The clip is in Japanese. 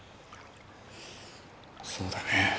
そうだね。